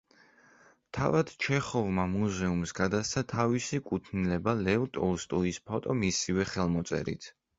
თავად ჩეხოვმა მუზეუმს გადასცა თავისი კუთვნილება ლევ ტოლსტოის ფოტო მისივე ხელმოწერით.